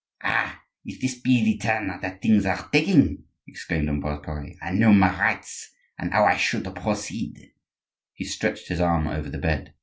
"Ah! if this be the turn that things are taking!" exclaimed Ambroise Pare. "I know my rights and how I should proceed." He stretched his arm over the bed.